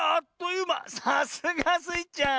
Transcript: さすがスイちゃん。